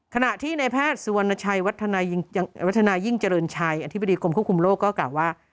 ขณะที่ในแพทย์สุวรรณชัยวัฒนาวัฒนายิ่งเจริญชัยอธิบดีกรมควบคุมโรคก็กล่าวว่า